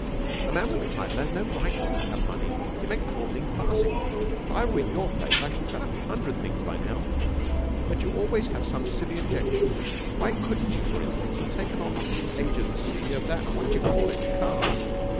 A man with a title has no right not to have money. It makes the whole thing farcical. 'If I were in your place I should have tried a hundred things by now, but you always have some silly objection. Why couldn't you, for instance, have taken on the agency of that what d'you call it car?'